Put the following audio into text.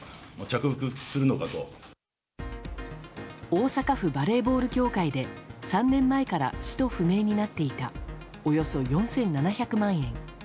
大阪府バレーボール協会で３年前から使途不明になっていたおよそ４７００万円。